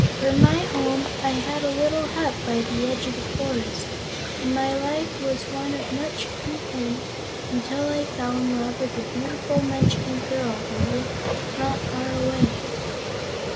For my home I had a little hut by the edge of the forest, and my life was one of much content until I fell in love with a beautiful Munchkin girl who lived not far away."